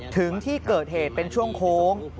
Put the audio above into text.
ถึงที่เกิดเหตุเป็นช่วงโค้ง